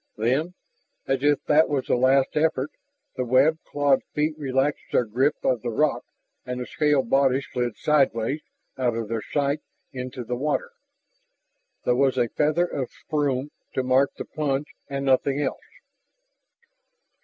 Then, as if that was the last effort, the webbed, clawed feet relaxed their grip of the rock and the scaled body slid sidewise, out of their sight, into the water. There was a feather of spume to mark the plunge and nothing else.